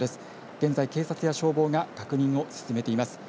現在、警察や消防が確認を進めています。